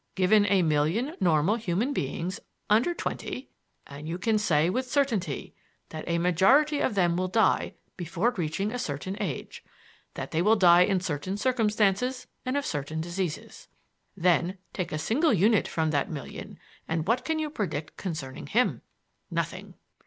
Given a million normal human beings under twenty, and you can say with certainty that a majority of them will die before reaching a certain age, that they will die in certain circumstances and of certain diseases. Then take a single unit from that million, and what can you predict concerning him? Nothing.